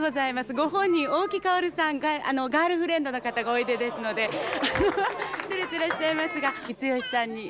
ご本人おおきかおるさんがガールフレンドの方がおいでですのでてれてらっしゃいますが三良さんに。